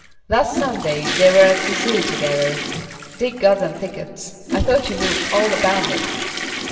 "Last Sunday they were at the Zoo together. Dick got them tickets. I thought you knew all about it."